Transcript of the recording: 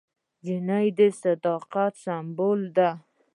نجلۍ د صداقت سمبول ده.